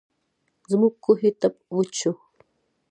زموږ کوهۍ ټپ وچ شو.